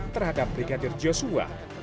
terhadap brigadir joshua